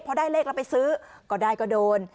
พอได้เลขแล้วไปซื้อก็ได้ก็โดน